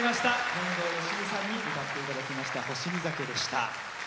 天童よしみさんに歌っていただきました「星見酒」でした。